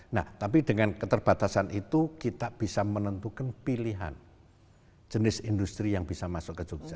nah tapi dengan keterbatasan itu kita bisa menentukan pilihan jenis industri yang bisa masuk ke jogja